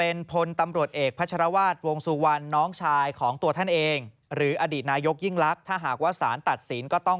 เอออย่าสร้างความวุ่นวายเลยนะ